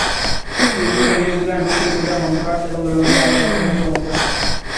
এই গ্রুপে নিউজিল্যান্ড, দক্ষিণ কোরিয়া, হন্ডুরাস এবং রোমানিয়া একে অপরের মুখোমুখি হবে।